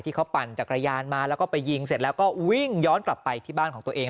เขาปั่นจักรยานมาแล้วก็ไปยิงเสร็จแล้วก็วิ่งย้อนกลับไปที่บ้านของตัวเอง